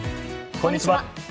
こんにちは。